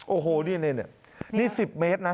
โอ้โหนี่๑๐เมตรนะ